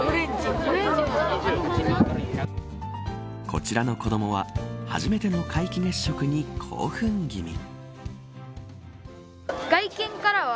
こちらの子どもは初めての皆既月食に興奮気味。